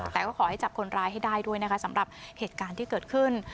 แต่ก็ขอให้จับคนร้ายให้ได้ด้วยนะคะสำหรับเหตุการณ์ที่เกิดขึ้น